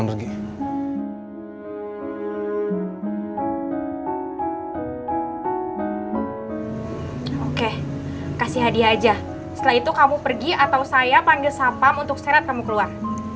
jadi hadiah aja setelah itu kamu pergi atau saya panggil sampam untuk seret kamu keluar